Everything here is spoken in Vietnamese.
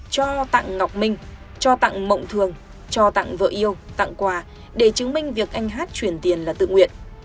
cho tặng ngọc minh cho tặng mộng thường cho tặng vợ yêu tặng quà để chứng minh việc anh hát truyền tiền là tự nguyện